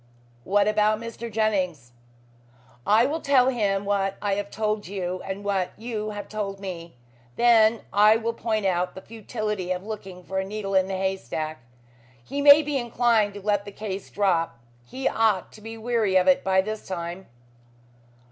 "What about Mr. Jennings?" "I will tell him what I have told you, and what you have told me. Then I will point out the futility of looking for a needle in a haystack. He may be inclined to let the case drop. He ought to be weary of it by this time."